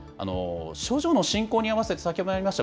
症状の進行に合わせて、先ほどもありました